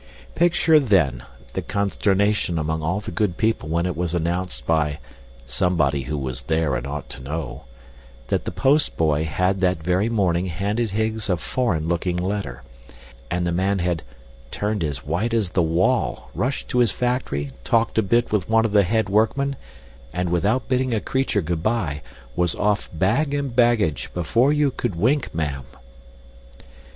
Picture, then, the consternation among all the good people when it was announced by "somebody who was there and ought to know," that the postboy had that very morning handed Higgs a foreign looking letter, and the man had "turned as white as the wall, rushed to his factory, talked a bit with one of the head workmen, and without bidding a creature good bye, was off bag and baggage, before you could wink, ma'am."